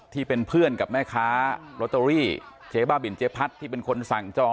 ที่เป็นเพื่อนกับแม่คะเก๊บ่าบิ่นเจ๊พัดที่เป็นคนสั่งจอง